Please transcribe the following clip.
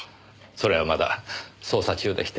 それはまだ捜査中でして。